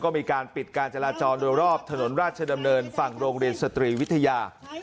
ก็มีการปิดการจราจรโดยรอบถนนราชดำเนินฝั่งโรงเรียนสตรีวิทยา